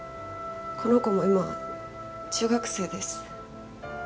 この子も今中学生です